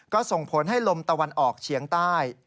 ก็ส่งผลให้ลมตะวันออกเฉียงใต้